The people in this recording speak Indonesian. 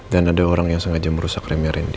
dan ada orang yang sengaja merusak remnya rendy